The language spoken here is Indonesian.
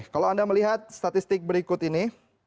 kalau anda melihat statistik berikut ini